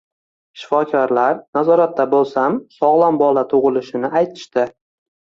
Shifokorlar nazoratda bo`lsam sog`lom bola tug`ilishini aytishdi